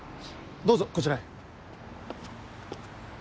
どうぞこちらへ。